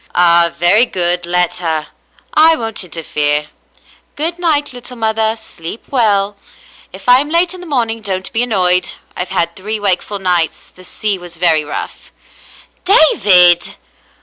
"Ah, very good, let her. I won't interfere. Good night, little mother; sleep well. If I am late in the morning, 290 The Mountain Girl don*t be annoyed. I've had three wakeful nights. The sea was very rough." "David